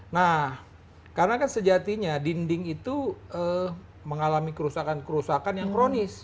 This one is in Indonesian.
nah karena kan sejatinya dinding itu mengalami kerusakan kerusakan yang kronis